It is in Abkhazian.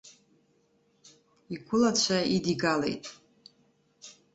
Игәылацәа идигалеит.